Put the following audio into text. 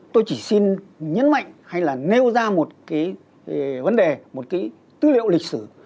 tôi chỉ xin nhấn mạnh hay là nêu ra một cái vấn đề một cái tư liệu lịch sử